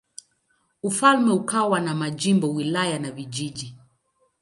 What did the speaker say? Ufalme ukawa na majimbo, wilaya na vijiji.